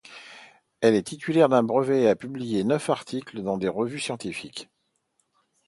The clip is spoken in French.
Elle est titulaire d'un brevet et a publié neuf articles dans des revues scientifiques.